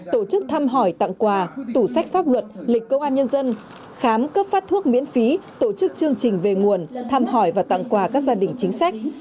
tổ chức thăm hỏi tặng quà tủ sách pháp luật lịch công an nhân dân khám cấp phát thuốc miễn phí tổ chức chương trình về nguồn thăm hỏi và tặng quà các gia đình chính sách